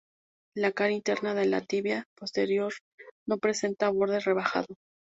La cara interna de la tibia posterior no presenta borde rebajado.